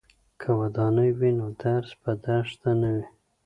که ودانۍ وي نو درس په دښته نه وي.